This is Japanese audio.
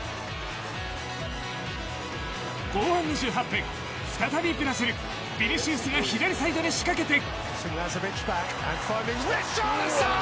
後半２８分再びブラジルヴィニシウスが左サイドで仕掛けて。